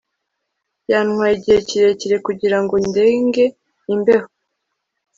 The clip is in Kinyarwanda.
Byantwaye igihe kirekire kugira ngo ndenge imbeho